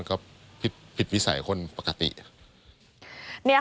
นี่ค่ะคุณผู้ชมพอเราคุยกับเพื่อนบ้านเสร็จแล้วนะน้า